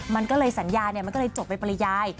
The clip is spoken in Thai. มันก็เลยสัญญามันก็เลยจบไปปริยาย